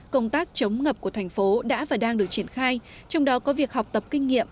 công tác chống ngập của thành phố đã và đang được triển khai trong đó có việc học tập kinh nghiệm